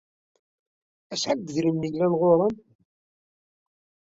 Acḥal n yidrimen i yellan ɣur-m?